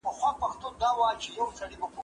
کېدای سي مکتب بند وي.